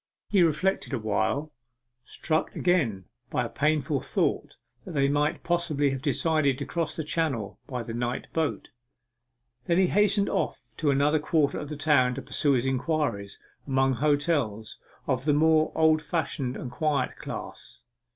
He reflected awhile, struck again by a painful thought that they might possibly have decided to cross the Channel by the night boat. Then he hastened off to another quarter of the town to pursue his inquiries among hotels of the more old fashioned and quiet class.